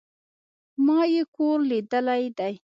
ما ئې کور ليدلى دئ